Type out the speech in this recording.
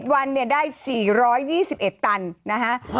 ๑๐วันเนี่ยได้๔๒๑ตันนะฮะ